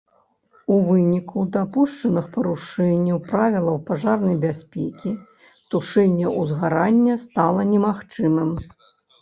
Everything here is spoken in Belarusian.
У выніку дапушчаных парушэнняў правілаў пажарнай бяспекі тушэнне узгарання стала немагчымым.